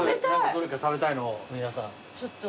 どれか食べたいのを皆さん。